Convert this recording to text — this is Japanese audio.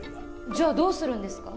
じゃあどうするんですか？